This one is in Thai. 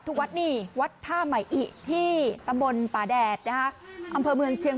ทุกวันทุกจังหวัดที่ตำบลป่าแดดนะคะอำเภามือนเชียง